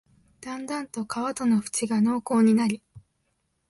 だんだんと川との縁が濃厚になり、